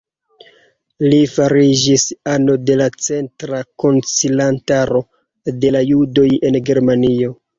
Li fariĝis ano de la Centra Koncilantaro de la Judoj en Germanio.